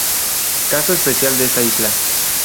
Caso especial de esta isla.